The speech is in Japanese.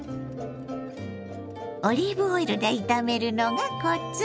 オリーブオイルで炒めるのがコツ。